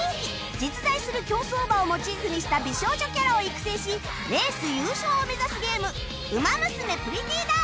実在する競走馬をモチーフにした美少女キャラを育成しレース優勝を目指すゲーム『ウマ娘プリティーダービー』